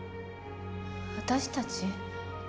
「私たち」？